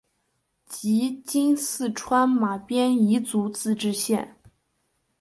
即今四川马边彝族自治县。